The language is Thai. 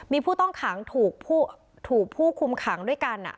มีผู้ต้องขังถูกผู้คุมขังด้วยกัน